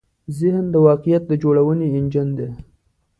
ذهن د واقعیت د جوړونې انجن دی.